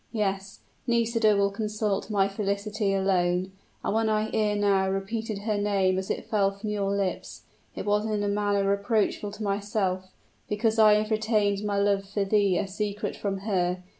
Yes; Nisida will consult my felicity alone; and when I ere now repeated her name as it fell from your lips, it was in a manner reproachful to myself, because I have retained my love for thee a secret from her.